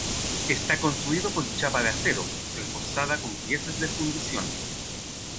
Está construido con chapa de acero, reforzada con piezas de fundición.